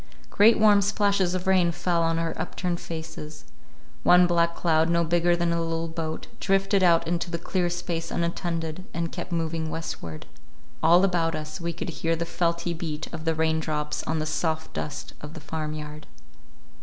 Great warm splashes of rain fell on our upturned faces. One black cloud, no bigger than a little boat, drifted out into the clear space unattended, and kept moving westward. All about us we could hear the felty beat of the raindrops on the soft dust of the farmyard.